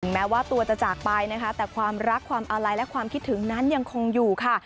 แม้ว่าตัวจะจากไปนะคะแต่ความรักความอาลัยและความคิดถึงนั้นยังคงอยู่ค่ะ